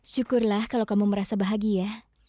syukurlah kalau kamu merasa bahagia